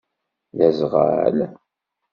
D aẓɣal?